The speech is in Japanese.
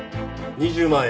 ２０万円。